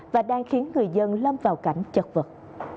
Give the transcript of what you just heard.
và đang khiến người dân lâm vào cảnh chật vật